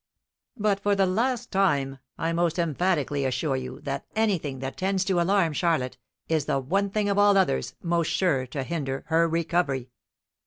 But, for the last time, I most emphatically assure you that anything that tends to alarm Charlotte is the one thing of all others most sure to hinder her recovery."